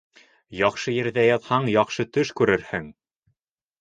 Яҡшы ерҙә ятһаң, яҡшы төш күрерһең.